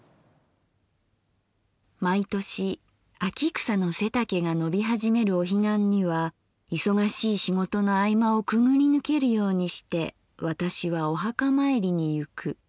「毎年秋草の背丈が伸びはじめるお彼岸にはいそがしい仕事の合間をくぐりぬけるようにして私はお墓まいりにゆく。